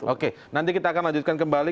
oke nanti kita akan lanjutkan kembali